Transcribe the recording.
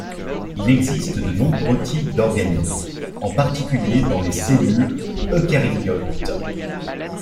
Il existe de nombreux types d'organites, en particulier dans les cellules eucaryotes.